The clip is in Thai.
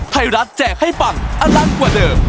ไทยรัฐแจกให้ปังอร่างกว่าเดิม